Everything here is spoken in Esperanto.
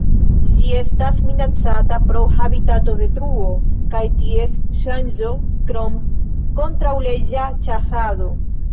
Ĝi estas minacata pro habitatodetruo kaj ties ŝanĝo krom kontraŭleĝa ĉasado.